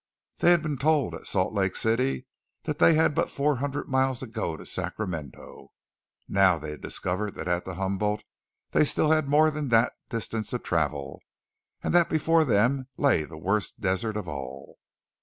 They had been told at Salt Lake City that they had but four hundred miles to go to Sacramento. Now they discovered that at the Humboldt they had still more than that distance to travel; and that before them lay the worst desert of all.